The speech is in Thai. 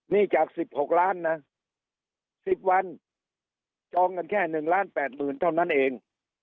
นี่จากสิบหกล้านนะสิบวันจองกันแค่หนึ่งล้านแปดหมื่นเท่านั้นเอง